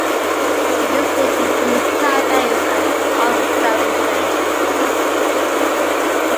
The district includes cafes and arts establishments.